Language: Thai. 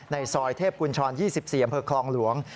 ในซอยเทพกุญชร๒๐เสียมเผอร์คลองหลวง